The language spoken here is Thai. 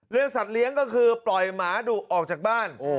สัตว์เลี้ยงก็คือปล่อยหมาดุออกจากบ้าน